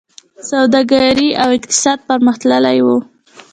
سوداګري او اقتصاد پرمختللی و